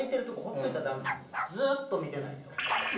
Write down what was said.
ずーっと見てないと。